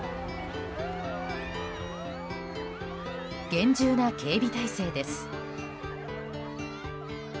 厳重な警備体制です。